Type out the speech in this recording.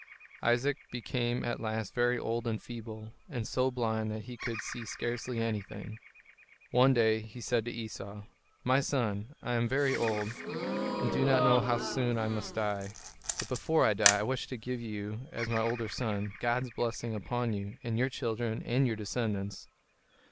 Isaac became at last very old and feeble, and so blind that he could see scarcely anything. One day he said to Esau: "My son, I am very old, and do not know how soon I must die. But before I die, I wish to give to you, as my older son, God's blessing upon you, and your children, and your descendants.